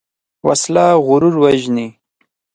وسله غرور وژني